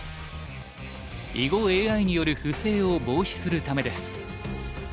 囲碁ＡＩによる不正を防止するためです。